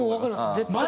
絶対。